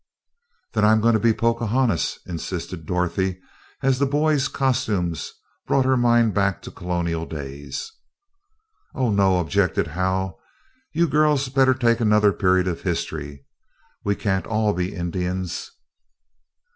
"Then I'm going to be Pocahontas," insisted Dorothy, as the boys' costumes brought her mind back to Colonial days. "Oh, no," objected Hal, "you girls better take another period of history. We can't all be Indians."